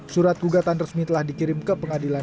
surat gugatan resmi telah dikirim ke pengadilan